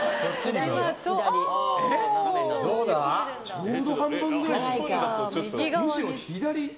ちょうど半分ぐらいじゃない？